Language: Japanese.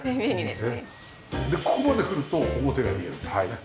でここまで来ると表が見えるというね。